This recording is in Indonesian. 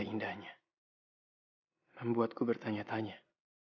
bisa jemput pesawatnya